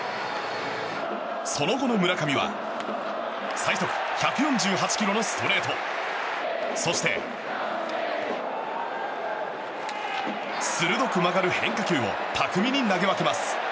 その後の村上は最速１４８キロのストレートそして。鋭く曲がる変化球を巧みに投げ分けます。